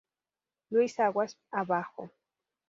Louis aguas abajo.